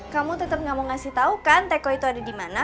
kamu tetap gak mau ngasih tau kan teko itu ada di mana